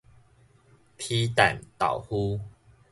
皮蛋豆腐